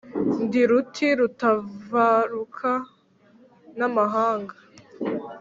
Ndi Ruti rutavaruka n' amahanga